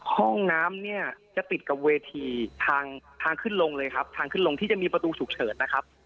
ห้องน้ำเนี่ยจะติดกับเวทีทางทางขึ้นลงเลยครับทางขึ้นลงที่จะมีประตูฉุกเฉินนะครับ